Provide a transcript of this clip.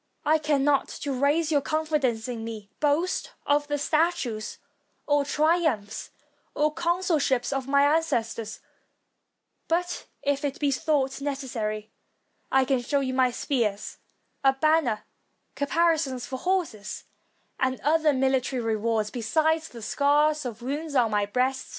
I cannot, to raise your confidence in me, boast of the statues, or triumphs, or consulships of my ancestors; but if it be thought necessary, I can show you spears, a banner, caparisons for horses, and other military rewards; besides the scars of wounds on my breast.